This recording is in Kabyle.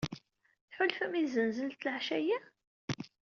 Tḥulfam i tzenzelt leɛca-ayyi?